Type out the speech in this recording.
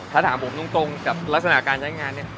ถ้าถามผมตรงกับลักษณะการใช้งานเนี่ย